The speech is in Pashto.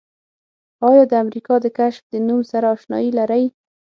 آیا د امریکا د کشف د نوم سره آشنایي لرئ؟